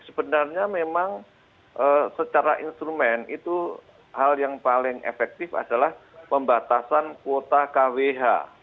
sebenarnya memang secara instrumen itu hal yang paling efektif adalah pembatasan kuota kwh